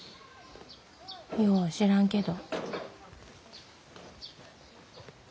よう知らんけど」。